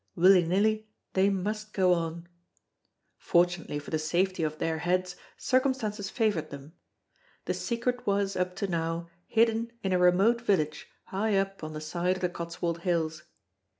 Willy nilly they must go on. Fortunately for the safety of their heads circumstances favoured them. The secret was, up to now, hidden in a remote village high up on the side of the Cotswold hills.